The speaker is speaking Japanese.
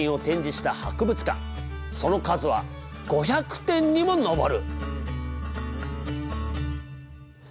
その数は５００点にも上る。